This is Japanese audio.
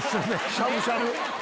しゃぶしゃぶ！